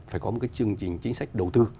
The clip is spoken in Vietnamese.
phải có một cái chương trình chính sách đầu tư